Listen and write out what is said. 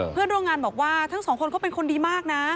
เพื่อนร่วมงานบอกว่าทั้งสองคนเขาเป็นคนดีมากนะ